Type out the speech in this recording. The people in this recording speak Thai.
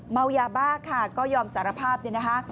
เมายาบ้าค่ะก็ยอมสารภาพเนี่ยนะคะ